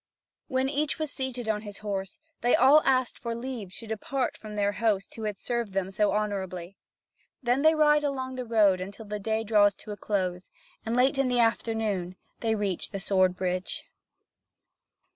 When each was seated on his horse, they all asked for leave to depart from their host who had served them so honourably. Then they ride along the road until the day draws to a close, and late in the afternoon they reach the sword bridge.